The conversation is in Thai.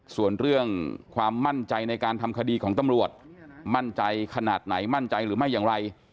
ส่วนเรื่องความมั่นใจในการทำคดีของตำรวจมั่นใจขนาดไหนมั่นใจหรือไม่อย่างไร